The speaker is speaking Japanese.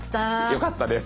よかったです。